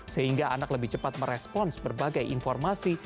sehingga anak lebih cepat merespons berbagai informasi